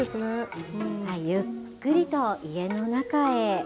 ゆっくりと家の中へ。